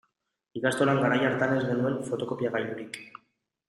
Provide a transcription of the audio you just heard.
Ikastolan garai hartan ez genuen fotokopiagailurik.